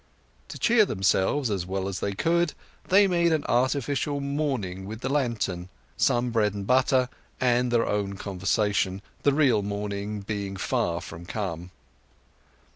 To cheer themselves as well as they could, they made an artificial morning with the lantern, some bread and butter, and their own conversation, the real morning being far from come.